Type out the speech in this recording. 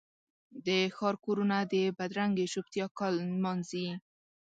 د ښار کورونه د بدرنګې چوپتیا کال نمانځي